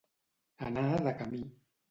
Anar de camí.